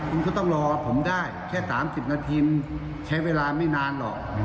คุณก็ต้องรอกับผมได้แค่๓๐นาทีมันใช้เวลาไม่นานหรอก